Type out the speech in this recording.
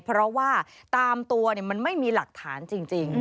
เพราะว่าตามตัวมันไม่มีหลักฐานจริง